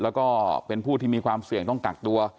แล้วก็เป็นผู้ที่มีความเสี่ยงต้องกักตัว